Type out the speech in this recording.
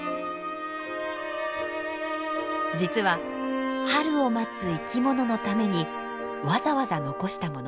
実は春を待つ生き物のためにわざわざ残したもの。